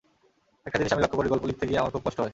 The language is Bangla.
একটা জিনিস আমি লক্ষ করি, গল্প লিখতে গিয়ে আমার খুব কষ্ট হয়।